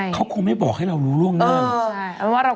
เขาคงไม่บอกให้เรารู้เรื่องนั้น